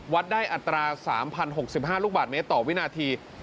วัดได้อัตรา๓๐๖๕ลูกบาทเมตรต่อวินาที